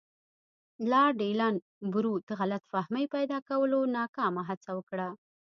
لارډ ایلن برو د غلط فهمۍ پیدا کولو ناکامه هڅه وکړه.